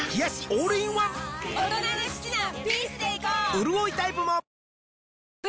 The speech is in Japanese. うるおいタイプもあら！